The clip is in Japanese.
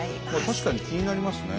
確かに気になりますね。